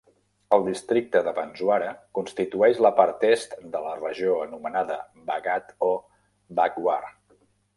El districte de Banswara constitueix la part est de la regió anomenada Vagad o Vagwar.